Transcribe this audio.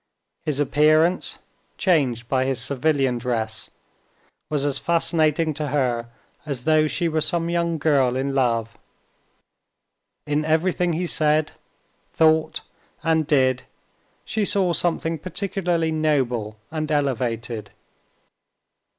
His appearance, changed by his civilian dress, was as fascinating to her as though she were some young girl in love. In everything he said, thought, and did, she saw something particularly noble and elevated.